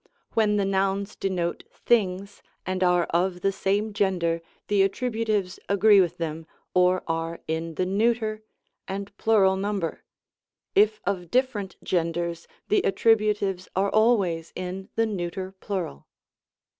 When the nouns denote things, and are of the same gender, the attributives agree with them, or are in the neuter, and plural number ; if of different genders, the attributives are always in the neuter plural.